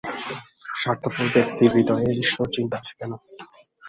স্বার্থপর ব্যক্তির হৃদয়ে ঈশ্বরচিন্তা আসিবে না।